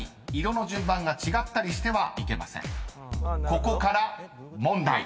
［ここから問題］